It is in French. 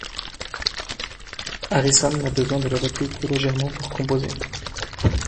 Harrison n'a besoin de l'adapter que légèrement pour composer '.